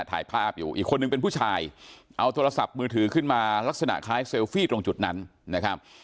ถ่ายภาพอยู่อีกคนนึงเป็นผู้ชายเอาโทรศัพท์มือถือขึ้นมาลักษณะคล้ายเซลฟี่ตรงจุดนั้นนะครับ